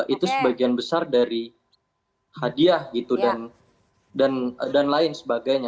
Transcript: itu sebagian besar dari hadiah gitu dan lain sebagainya